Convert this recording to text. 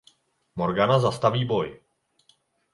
Morgana zastaví boj.